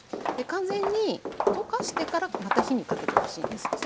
完全に溶かしてからまた火にかけてほしいんです。